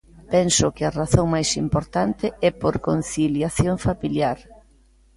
Penso que a razón máis importante é por conciliación familiar.